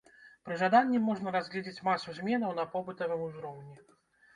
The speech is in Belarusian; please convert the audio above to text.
Пры жаданні можна разгледзець масу зменаў на побытавым узроўні.